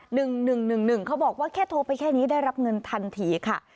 หนึ่งหนึ่งหนึ่งเขาบอกว่าแค่โทรไปแค่นี้ได้รับเงินทันทีค่ะ